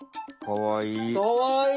かわいい！